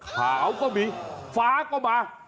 ขาวก็มีฟ้าก็มา